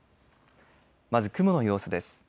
まず雲の様子です。